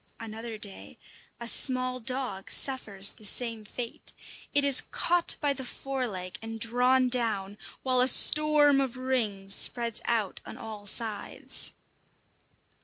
Another day a small dog suffers the same fate. It is caught by the fore leg and drawn down, while a storm of rings spreads out on all sides.